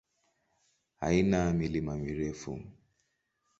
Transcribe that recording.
Haina milima mirefu.